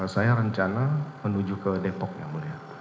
saya rencana menuju ke depok yang mulia